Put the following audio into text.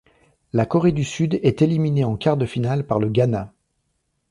La Corée du Sud est éliminée en quart de finale par le Ghana.